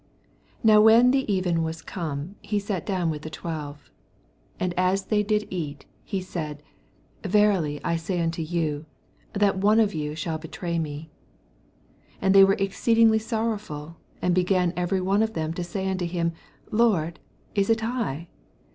20 Now when the even was come, he aat down with the twelve. 21 And as they did eat, he said Verily, I say unto yia, that one of jwi shall betray me. 22 And they were exoeediz^ sor* rowf\il, and began every one ot them to say unto him, Lord, is it I